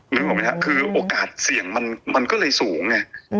นึกออกไหมครับคือโอกาสเสี่ยงมันก็เลยสูงไง